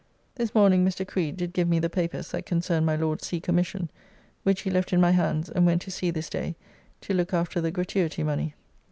This morning Mr. Creed did give me the Papers that concern my Lord's sea commission, which he left in my hands and went to sea this day to look after the gratuity money.